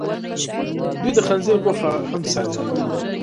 دوی د خنزیر غوښه هم صادروي.